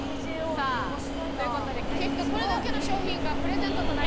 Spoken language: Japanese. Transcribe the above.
さあという事で結果これだけの商品がプレゼントとなりました！